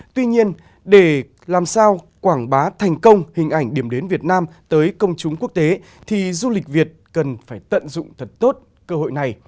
tuy nhiên để làm sao quảng bá thành công hình ảnh điểm đến việt nam tới công chúng quốc tế thì du lịch việt cần phải tận dụng thật tốt cơ hội này